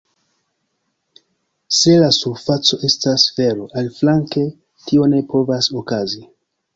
Se la surfaco estas sfero, aliflanke, tio ne povas okazi.